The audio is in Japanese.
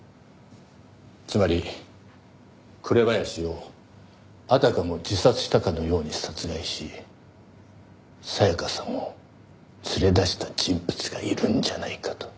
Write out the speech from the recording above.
つまり紅林をあたかも自殺したかのように殺害し沙也加さんを連れ出した人物がいるんじゃないかと。